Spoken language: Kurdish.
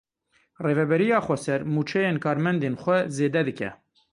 Rêveberiya Xweser mûçeyên karmendên xwe zêde dike.